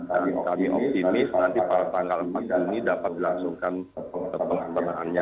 jadi kami optimis nanti pada tanggal empat juni dapat dilangsungkan pengelolaan keuangannya